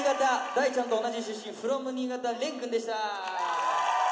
大ちゃんと同じ出身ｆｒｏｍ新潟れんくんでした！